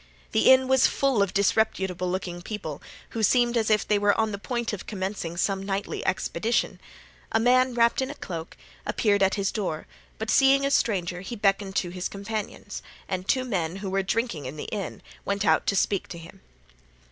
The inn was full of disreputable looking people, who seemed as if they were on the point of commencing some nightly expedition. A man, wrapped in a cloak, appeared at the door, but seeing a stranger he beckoned to his companions, and two men who were drinking in the inn went out to speak to him.